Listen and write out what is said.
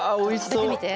食べてみて。